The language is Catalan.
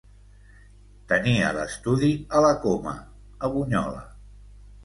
Tenia l'estudi a la Coma, a Bunyola.